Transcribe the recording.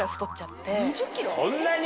そんなに？